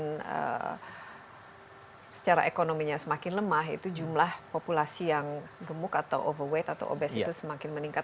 dan secara ekonominya semakin lemah itu jumlah populasi yang gemuk atau overweight atau obes itu semakin meningkat